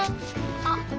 あっ。